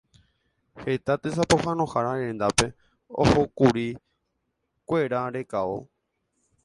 Heta tesapohãnohára rendápe ohókuri kuera rekávo.